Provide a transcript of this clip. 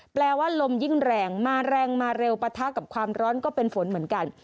แปลว่าลมยิ่งแรงมาแรงมาเร็วปะทะกับความร้อนก็เป็นฝนเหมือนกัน